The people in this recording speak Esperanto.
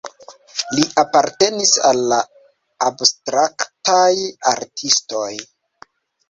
Li apartenis al la abstraktaj artistoj.